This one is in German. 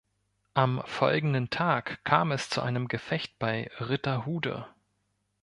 Am folgenden Tag kam es zu einem Gefecht bei Ritterhude.